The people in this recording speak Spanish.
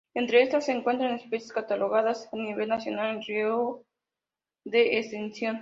Entre estas se encuentran especies catalogadas a nivel nacional en riesgo de extinción.